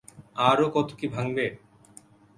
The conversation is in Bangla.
আরও কত কী ভাঙবে।